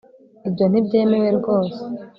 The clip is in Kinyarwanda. ibyo ntibyemewe rwose